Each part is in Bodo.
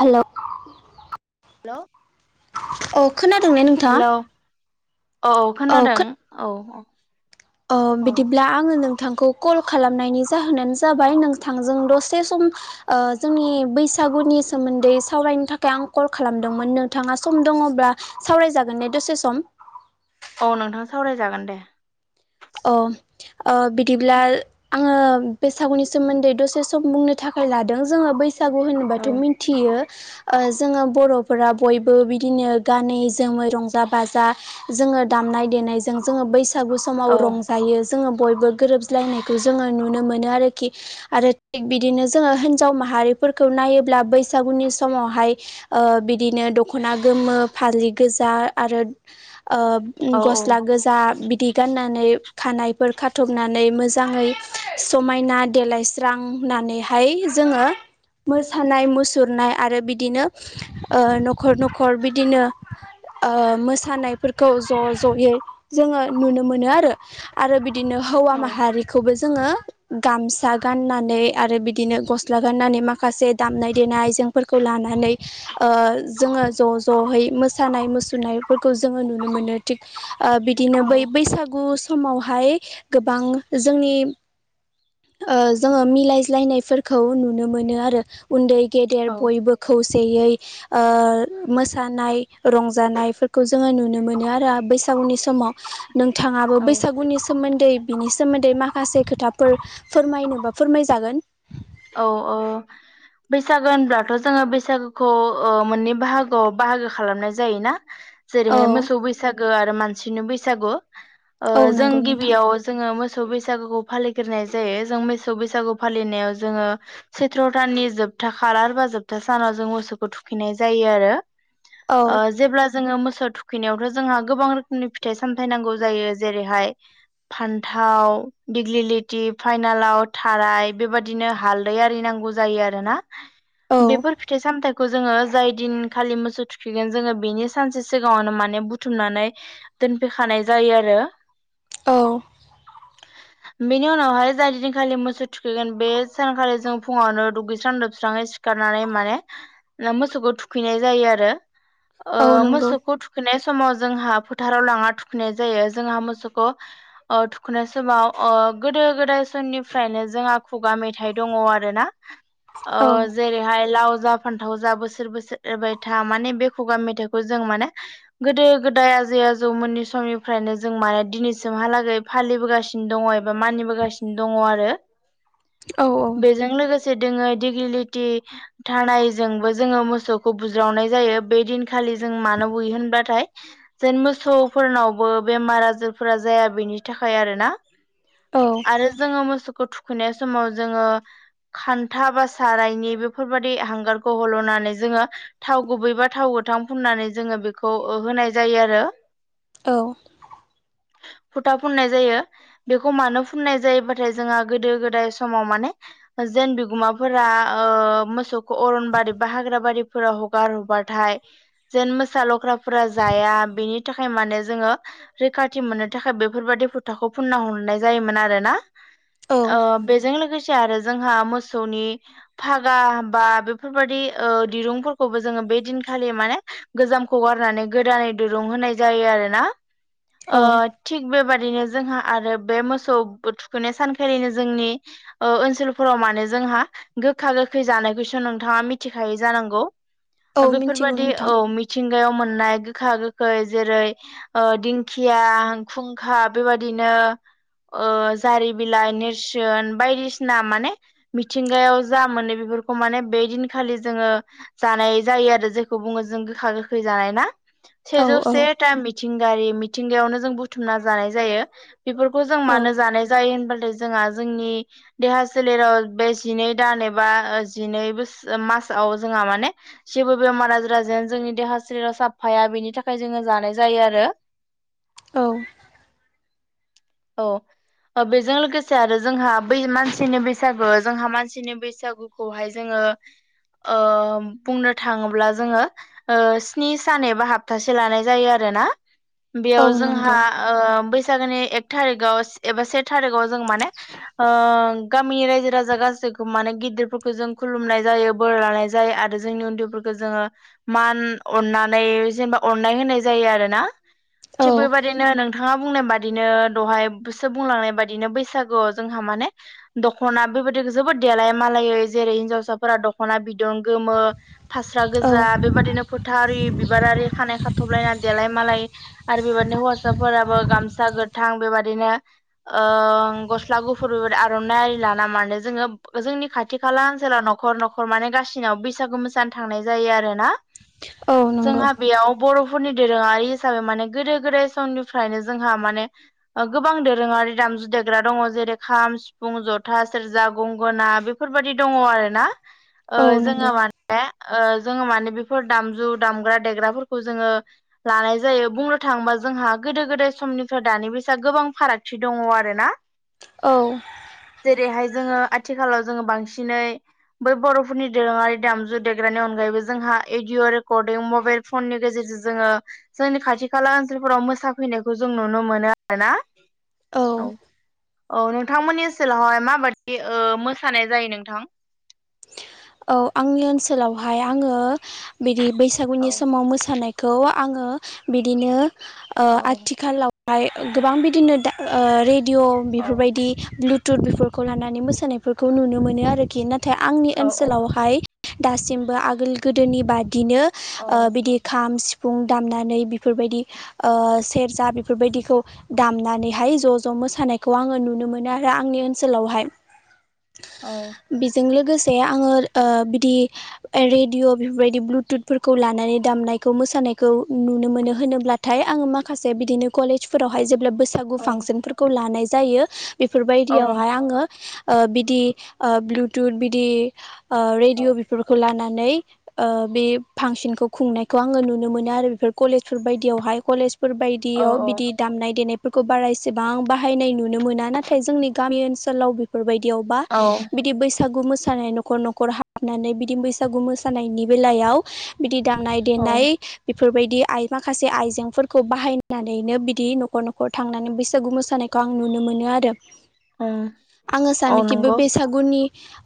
हेल' अ हेल' खोनादोंने नोंथाङा? हेलौ औ औ खोनादों औ औ। अ बिदिब्ला आङो नों थांखौ कल खालामनायनि जाहोनानो जाबाय नोंथांजों दसे सम जोंनि बै बैसागुनि सोमोन्दै सावरायनो थाखाय आं कल खालामदोंमोन नोंथाङा सम दङब्ला सावरायजागोन ने? दसे सम औ नोंथां सावरायजागोन दे। अ ओ बिदिब्ला आङो बैसागुनि सोमोन्दै दसे सम बुंनो थाखाय लादों जोङो बै सागु औ होनोबाथ' मिथियो। ओ जोङो बर'फोरा बयबो बिदिनो गानै जोमै रंजा बाजा जों ङो दामनाय देनायजों जोङो बैसागु औ समाव रंजायो‌। जोङो बयबो गोरोबलायनायखौ जोङो नुनो मोनो आरोखि आरो थिग बिदिनो जोङो हिनजाव मा हारिफोरखौ नायोब्ला बैसागुनि समावहाय बिदिनो दखना गोमो, फालि गोजा, आरो ओ औ औ गसला गोजा बिदि गाननानै खानायफोर खाथबनानै मोजाङै समायना देलायस्रांना नैहाय जोङो मोसानाय, मुसुरनाय आरो बिदिनो न'खर न'खर बिदिनो ओ मोसानायफोरखौ ज' ज'यै जोङो नुनो मोनो आरो आरो बिदिनो हौवा माहारिखौबो। जोङो गामसा गाननानै आरो बिदिनो गस्ला गाननानै माखासे दामनाय देनाय फोरखौ लानानै ओ जोङो ज' ज'है मोसानाय मुसुरनायफोरखौ जोङो नुनो मोन थ बिदिनो औ बै बैसागु समावहाय गोबां जोंनि। जोङो मिलायज्लायनायफोरखौ नुनो मोनो आरो, उन्दै गेदेर औ बयबो खौसे देयै मसेयै मोसानाय रंजानायफोरखौ जोङो नुनो मोनो आरो बैसागु उनि समाव नोंथाङाबो बैसागुनि सोमोन्दै बिनि सोमोन्दै माखासे खोथाफोर फोरमायनोबा फोरमायजागोन। औ औ बैसागो होनब्लाथ' जोङो बैसागोखौ ओ मोननै बाहागोआव बाहागो खालामनाय जायोना। औ जेरैहाय मोसौ बैसागो आरो मानसिनि बैसागु। औ जों नंगौ नोंथां गिबियाव जोङो मो मोसौ बैसागुखौ फालिगोरनाय जायो जों मेसौ बैसागु फालिनायाव जोङो सेथ्र'थाननि जोबथा खाार बा जोबथा सानाव जों मोसौखौ थुखैनाय जायो आरो। औ आ जेबोब्ला जोङो मोसौ थुखैनायावथ' जोंहा गोबां रोखोमनि फिथाइ सामथायनांगौ जायो जेरैहाय। फान्थाव दिग्लिलिथि फाइनालाव थाराय बेबायादि। दिनो हालै औ ज फथ खौ जोङो जाय दिन खालि मोसौ थुखैगोन जोङो बेनि सानसे सिगाङावनो माने बुथुमनानै दोनफैखानाय जायो आरो। औ बेनि उनावहाय जाय दिदिन खालि मोसौ थुखैगोन। बे सानखालि जों फुङावनो दुगैस्रां लोबस्राङै सिखारनानै माने मोसौखौ थुखैनाय जायो आरो ओ औ नंगौ मोसौखौ थुखैनाय स समाव जोंहा फोथाराव लाङा थुखैनाय जायो जोंहा मोसौखौ ओ थुखैनाय समाव ओ गोदो गोदाय समनिफ्रायनो जोङा खुगा मेथाइ दङ आरोना, ओ औ जेरैहाय लाव जा फानथाव जा बोसोर बोसोरबाय था माने बे खुगा मेथाइखौ जों माने गोदो गोदाय जै आजौमोननि समनिफ्रायनो जों माने दिनैसिमहालागै फालिबोगासिनो दङ एबा मानिबोगासिनो। दङ आरो औ बेजों लोगो दोङो दिगलिटि थानायजोंबो जोङो मोसौखौ बुज्रावनाय जायो बे दिनखालि जों मानो बुयो होनबाथाय जेन मोसौफोरनावबो बेमार आजारफोरा जाया बेनि थाखाय आरोना औ आरो जोङो मोसौखौ थुखैनाय समाव जोङो। खान्था बा सारायनि बेफोरबायाददि हांगारखौ हल'नानै जोङो थाव गुबैबा थाव गोथां फुननानै जोङो बेखौ होनाय जायो आरो। औ फुथा फुननाय जायो बेखौ मानो फुननाय जायोबाथाय जोंहा गोदो गोदाय। समाव माने जेन बिगुमाफोरा ओ मोसौखौ अरनबारि बा हाग्रा बारि फोरा हगार हबाथाय जेन मोसा लख्राफोरा जाया बेनि थाखाय माने जोङो। रैखाथि मोननो थाखाय बेफोरबादि फुथाखौ फुनना हरनाय जायोमोन आरोना। औ बेजों लोगोसे आरो जोंहा मोसौनि फागा बा बेफोरबायदि ओ दिरुंफोरखौबो जोङो बे दिनखालि माने गोजामखौ गारनानै गोदानै दुरुं होनाय जायो आरोना। ओ औ थिग बेबादिनो जोंहा आरो बे मोसौ थुखैनाय सानखालिनो जोंनि ओ ओनसोलफोराव मानो जोंहा गोखा गोखै जानायखौसो नोंथाङा मिथिखायोै जानांगौ। औ मिथिगौ बेफोरबाददि नोंथां औ मिथिंगायाव मोन मोननाय गोखा गोखै जेरै ओ दिंखिया खुंखा बेबाददिनो जारि बिलाइ नेरसोन बायदिसिना माने मिथिंगायाव जा मोनो बेफोरखौ माने बे दिनखालि जोङो जा नाय जायो आरो जेखौ बुङो जों गोखा गोखै जानाय ना औ सेजौ औ सेथा मिथिंगारि मिथिंगायावनो जों बुथुमना जानाय जायो बेफोरखौ जों औ मानो जानाय जायो होनबथाय जोंहा जोंनि देहा सोलेराव बे जिनै दान एबा जिनै बोस मासाव जोंहा माने जेबो बेमार आजार जेन जोंनि देहा सोलेरा साफाया बेनि थाखाय जोङो जानाय जायो आरो औ औ बेजों लोगोसे आरो जोंहा बै मानसिनि बैसागु जोंहा मानसिनि बैसागुखौहाय जोङो ओ बुंनो थाङोब्ला जोङो ओ स्नि सान एबा हप्तासे लानाय जायो आरो दोना औ बेयाव जोंहा नंगौ ओ बैसागोनि एक थारिकआव एबा से थारिखाव जों माने ओ गामिनि रायजो राजा गासैखौ माने गिदिरफोरखौ जों खुलुमनाय जायो बोर लानाय जायो आरो जोंनि उन्दैफोरखौ जोङो मान अननानै जेनेबा अननाय होनाय जायो आरो ना औ थिग बेबायादिनो नोंथाङा बुंनाय बादिनो दहायसो बुंलांनाय बादिनो बैसागुआव जोंहा माने दख'ना बेबायदि जोबोद देलाय मालायै जेरै हिनजावसाफोरा दख'ना बिदन मो फास्रा औ गोजा बेबायाददिनो फोथारि बिबारारि खानाय खाथ'बलायना देलाय मालाय आरो बेबाददिनो हौवासाफोराबो गामसा गोथां बेबादिनो ओ गसला स्ला गुफुरबो आर'नाइ आरि लाना मानो जोङो जोंनि खाथि खाला ओनसोलाव न'खर न'खर माने गासिना बैसागु मोसानो थांनाय जायो आरोना औ नंगौ जोंहा बेयाव बर' फोरनि दोरोङारि हिसाबै माने गोदो गोदाय समनिफ्रायनो जोंहा माने गोबां दोरोङारि दाम जुदेग्रा दङ जेरै खाम सिफुं जथा सेरजा गंगोना बेफोरबायाददि दङ आरो ना ओ औ नंगौ जोङो माने ओ जोङो माने बेफोर दामजु दामग्रा देग्राफोरखौ जोङो लानाय जायो बुंनो थाङोबा जोंहा गोदो गोदाय समनिफ्राय दानि बैसागुआ गोबां फारागथि दङ आरो ना औ जेरैहाय जोङो आथिखालाव जोङो बांसिनै बै बर'फोरनि दोरोङारि दामजु देग्रानि अनगायैबो जोंहा एडिय' रेकरदिं मबाइल फननि गेजेरजों जोङो जोंनि खाथि खाला ओनसोलफोराव मोसाफैनायखौ जों नुनो मोनो मोनो आरो ना औ औ नोंथांमोननि ओनसोलावहाय माबादि ओ मोसानाय जायो नोंथां औ आंनि ओनसोलावहाय आङो बिदि बैसागुनि औ समाव मोसानाय खौ आङो बिदिनो ओ औ आथिखालाव ओमाय गोबां बिदिनो रेडिअ' औ बेफोरबायदि ब्लुथु टुर बेफोरखौ लानानै मोसानायफोरखौ नुनो मोनो आरोखि नाथाय आंनि औ ओनसोलावहाय दासिमबो आगोल गोदोनि बादिनो औ बिदि खाम सिफुं फुं दामनानै बेफोरबायदि ओ सेरजा बेफोरबायदिखौ दामनानैहाय ज' ज' मोसानायखौ आङो नुनो मोनो आरो आंनि ओनसोलावहाय औ बेजों लोगोसे ओंफ्रिय आङो ओ बिदि रेडिअ बेफोरबायदि ब्लुथुथफोरखौ लानानै दामनायखौ मोसानाय नायखौ नुनो मोनो होनोब्ला थाय नाङो माखासे बिदि बैसागु औ फांसनफोरखौ लानाय जायो औ बेफोरबायदियावहाय नोंथां आङो ओ बिदि ब्लुथुथ बिदि ओ औ रेडिअ' बेफोरखौ लानानै नै ओ मे पांसनखौ खुंनायखौ आङ नुनो मोन आरो कलेजफोर बायदियावहाय कलेज औ फोरबायायदियाव औ बिदि दामनाय देनाय खौ बारायसेबां बाहायनाय नुनो मोना नाथाय जोंनि गामि ओनसोलाव बेफोरबायदि दियावबा औ बिदि बैसागु मोस थानाय न' न'ख हाबनानै बिदि बैसागु मोसानायनि बेलयाव बिदी दामनाय औ देनाय बेफोरबायदि आइ माखासे आइजेंफोरखौ बाहायनानैनो बिदि न'खर न'खर थांनानै बैसागु मोसानायखौ आं नुनो मोन आरो आङो औ सानोखि बे नंगौ बैसागुनि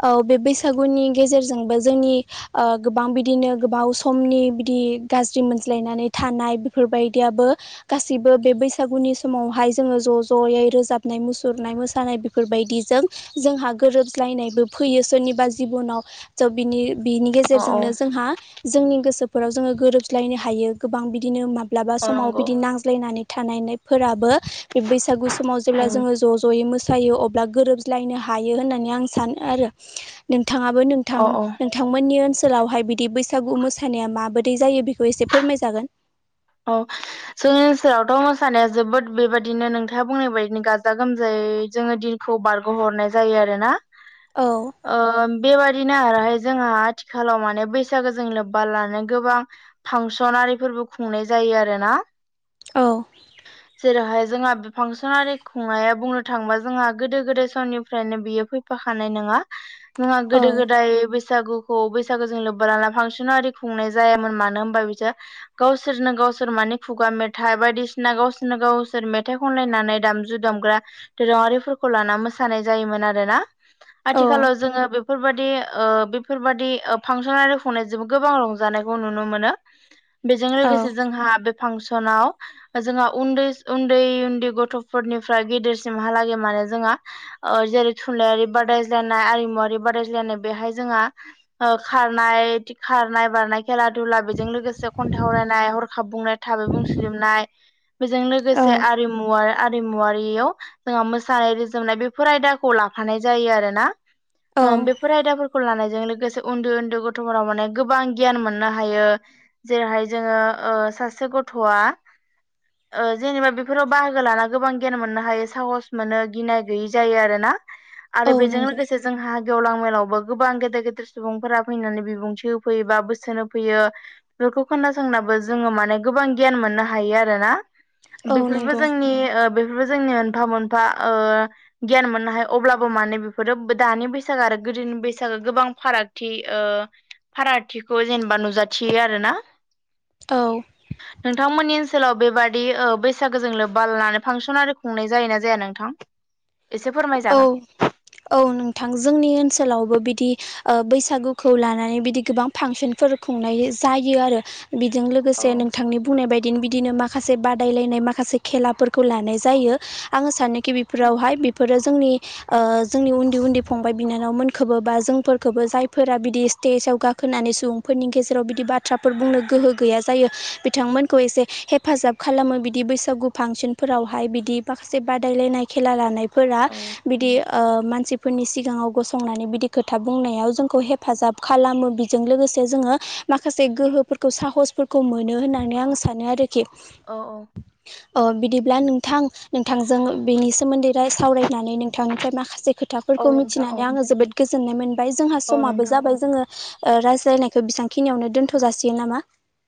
औ बैसागुनि गेजेरजोंबो जोंनि ओ गोबां बिदिनो गोबाव समनि बिदि गाज्रि मोनज्लायनानै थानाय बेफोरबायदियाबो गासिबो बे बैसागुनि समावहाय जोङो ज' ज'यै रोजाबनाय मुसुरनाय मोसानाय बेफोरबायदिजों जोंहा गोरोबलायनायबो फैयो सोरनिबा जिब'नाव स' बिनि बिनि औ औ गेजेरजोंनो जोंहा जोंनि गोसो फोराव जोङो गोरोबज्लायनो हायो गोबां बिदिनो माब्लाबा औ समाव नंगौ बिदि नांज्लायनानै थानायनायफोराबो बे बैसागु समाव जेब्ला औ जोङो ज' ज'यै मोसा फायो अब्ला गोरोब्लायनो हायो होननानै आं सानो आरो नों आरो नोंथां औ औ नोंथांमोननि ओनस सोलावहाय बिदि बैसागु मोसानाया माबोरै जायो बेखौ एसे फोरमायजागोन औ जोंनि ओनसोलावथ' मोसानाया जोबोद बेबायदिनो नोंथाङा बुंनाय बायदिनो गाजा गोमजायै जोङो दिनखौ बारग'हरनाय जायो आरोना औ ओ बेबायदि बिदिनो आरोहाय जोंहा आथिखालाव माने बैसागोजों लोब्बा लानो गोबां फांसनारिफोरबो खुंनाय जायो आरोना औ जेरावहाय जोंहा फांसनारि खुंनाया बुंनो थांङोबा जोंहा गोदो गोदाय समनिफ्रायनो बियो फैफाखानाय नङा मुङा औ गोदो गोदाय बैसागु खौ बैसागो जों लोब्बा लाना फांसनाव आरि खुंनाय जायामोन मानो होनबा बिसोर गावसोरनो गावसोर माने खुगा मेथाइ बायदिसिना गावसोरनो गावसोर मेथाइ खनलायनानै दामजुदुम दोरोङारिफोरखौ लाना मोसानाय जायोमोन आरोना आथिखालाव औ जोङो बेफोरबायदि ओ बेफोरबायदि ओ फांसन आरो खुंनायजोंबो गोबां रंजानायखौ नुनो मोनो [unintelligible] बेजों लोगोसे जोंहा बे फांसनाव जोंहा उन्दै उन्दै उन्दै गथ'फोरनिफ्राय गेदेरसिमहालागै माने जोंङा ओ जेरै थुनलाइारि बादायज्लायनाय आरिमुवारि बादायज्लायनाय बेहाय जोंहा ओ खारनाय खारनाय बारनाय खेला दुला बेजों लोगोसे खन्थाइ आवरायनाय हरखाब बुंनाय थाबै बुंसलिबनाय बेजों औ लोगोसे आरिमुवा आरिमुवारियाव जोंहा मोसानाय रोजाबनाय बेफोर आयदाखौ लाफानाय जायो आरोना औ ओम बेफोर आयदाफोरखौ लानाय जों लोगोसे उन्दै उन्दै गथ'फोराव माने गोबां गियान मोननो हायो जेरैहाय जोङो ओ सासे गथ'आ ओ जेनेबा बेफोराव बाहागो लाना गोबां गियान मोननो हायो साहस मोनो गिनाय गैयै जायो आरो ना आरो औ बेजों नंगौ लोगोसे जोंहा गेवलां मेलाव। गोबां गेदेर गेदेर सुबुंफोरा फैनानै बिबुंथि होफैयो बा बोसोन होफैयो बेफोरखौ खोनासंनाबो जोङो माने गोबां गियान मोननो हायो आरोना। औ बेफोरबो नंगौ जोंनि ओ बे जोंनि मोनफा मोनफा ओ गियान मोननो हाया अब्लाबो माने बेफोरो दानि बैसागो आरो गोदोनि बैसागो गोबां फारागथि ओ फारागथिखौ जेनेबा नुजाथियो आरो ना औ नोंथांमोननि ओनसोलाव बेबा दि ओ बैसागो जों लोब्बा लानानै फांसन आरि खुंनाय जायोना जाया नोंथां एसे औ फोरमायजागोन औ नोंथां जोंनि ओनसोलावबो बिदि ओ बैसागुखौ लानानै बिदि गोबां फांसनफोर खुंनाय जायो आरो बेजों औ लोगोसे नोंथांनि बुंनाय बाय दिनो बिदिनो माखासे बादायलायनाय माखासे खेलाफोरखौ लानाय जायो आङो सानो गि बेफोरावहाय बेफोरो जोंनि ओ जोंनि उन्दै उन्दै फंबाय बिनानावमोनखोबो बा जोंफोरखोबो जायफोरा बिदि। स्टेजाव गाखोनानै सुबुंफोरनि गेजेराव बिदि बाथ्राफोर बुंनो गोहो गैया जायो बिथांमोनखौ एसे हेफाजाब खालामो बिदि बैसागु फांसनफोरावहाय बिदि माखासे बादायलायनाय खेला लानाय फोरा औ बिदि। ओ मानसिफोरनि सिगाङाव गसंनानै बिदि खोथा बुंनायाव जोंखौ हेफाजाब खालामो बेजों लोगोसे से जोङो माखासे गोहोफोरखौ साहसफोरखौ मोनो होननानै आं सानो आरो। खि औ अ बिदिब्ला नोंथां नोंथांजों बिनि सोमोन्दै। सावरायनानै नोंथांनिफ्राय माखासे खोथाफोरखौ औ नोंथां औ मिथिनानै आङो जोबोद गोजोननाय मोनदों ओमफ्राय जोंहा औ समाबो नोंथां जाबाय जोङो ओ रायज्लायनायखौ बेसांखिनियावनो दोन्थ' जासियो नामा?